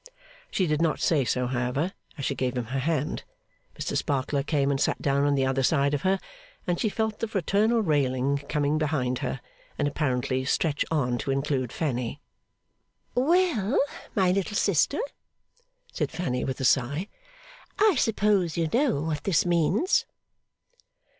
She did not say so, however, as she gave him her hand. Mr Sparkler came and sat down on the other side of her, and she felt the fraternal railing come behind her, and apparently stretch on to include Fanny. 'Well, my little sister,' said Fanny with a sigh, 'I suppose you know what this means?